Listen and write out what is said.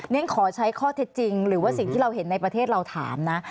ฉันขอใช้ข้อเท็จจริงหรือว่าสิ่งที่เราเห็นในประเทศเราถามนะ